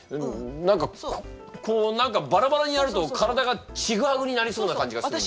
何かこう何かバラバラにやると体がちぐはぐになりそうな感じがするんだが。